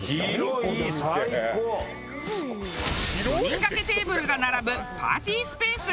４人がけテーブルが並ぶパーティースペース